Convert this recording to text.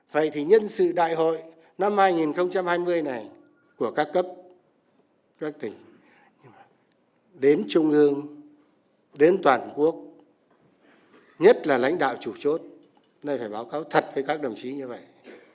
vậy thì nhân sự đại hội năm hai nghìn hai mươi này của các cấp các tỉnh đến trung ương đến toàn quốc nhất là lãnh đạo chủ chốt nơi phải báo cáo thật với các đồng chí như vậy